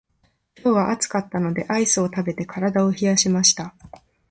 今日は暑かったのでアイスを食べて体を冷やしました。